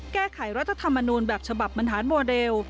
แก้ไขรัฐธรรมนูญแบบฉบับบรรหารโมเดล